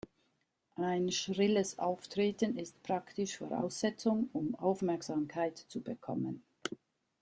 Ein schrilles Auftreten ist praktisch Voraussetzung, um Aufmerksamkeit zu bekommen.